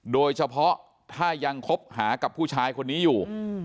โดยเฉพาะถ้ายังคบหากับผู้ชายคนนี้อยู่